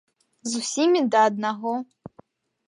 З усімі да аднаго.